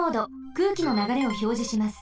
空気のながれをひょうじします。